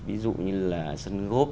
ví dụ như là